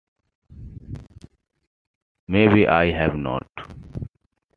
May be, I have not.